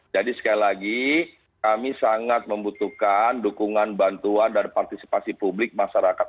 jadi sekali lagi kami sangat membutuhkan dukungan bantuan dan partisipasi publik masyarakat